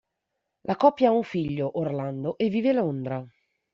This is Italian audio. La coppia ha un figlio, Orlando, e vive a Londra.